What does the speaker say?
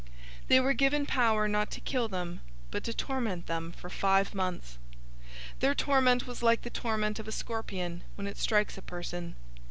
009:005 They were given power not to kill them, but to torment them for five months. Their torment was like the torment of a scorpion, when it strikes a person.